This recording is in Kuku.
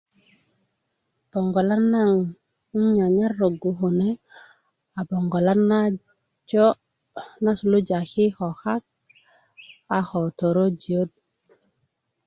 boŋgolan naŋ nan nyanyar roggu kune a boŋgolan naa jo' na suluja ki ko kak a ko torojiyöt